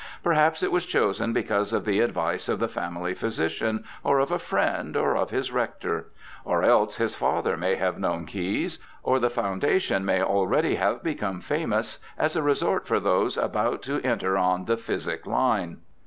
Perhaps it was chosen because of the advice of the family physician, or of a friend, or of his rector ; or else his father may have known Caius ; or the foundation may already have become famous as a resort for those about to ' enter on the physic line